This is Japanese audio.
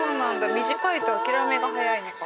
短いと諦めが早いのか。